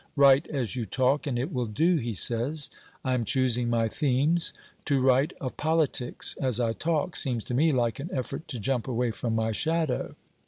"write as you talk and it will do," he says. I am choosing my themes. To write of politics as I talk, seems to me like an effort to jump away from my shadow.